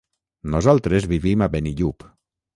Nosaltres vivim a Benillup.